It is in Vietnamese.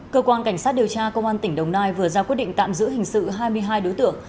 cơ quan cảnh sát điều tra công an tỉnh đồng nai vừa ra quyết định tạm giữ hình sự hai mươi hai đối tượng